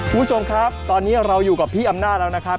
คุณผู้ชมครับตอนนี้เราอยู่กับพี่อำนาจแล้วนะครับ